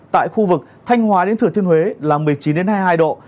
tại khu vực thanh hóa đến thừa thiên huế là một mươi chín hai mươi hai độ